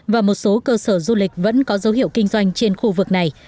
và một số cơ sở du lịch vẫn có dấu hiệu kinh doanh trên khu vực này